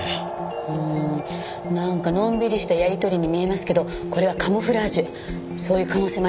うんなんかのんびりしたやり取りに見えますけどこれはカムフラージュそういう可能性もありますね。